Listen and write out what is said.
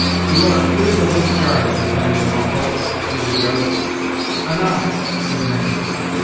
"You are acquitted of this charge, Nathaniel Bumppo," said the Judge. "Anan!" said Natty.